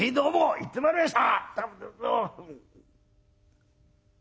行ってまいりました」。